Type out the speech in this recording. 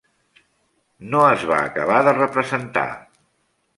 No es va acabar de representar.